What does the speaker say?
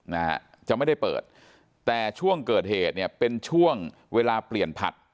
นะฮะจะไม่ได้เปิดแต่ช่วงเกิดเหตุเนี่ยเป็นช่วงเวลาเปลี่ยนผัด